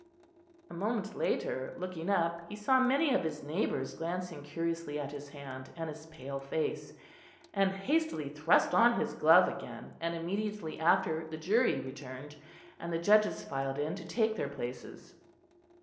A moment later, looking up, he saw many of his neighbours glancing curiously at his hand and his pale face, and hastily thrust on his glove again; and immediately after the jury returned, and the judges filed in to take their places.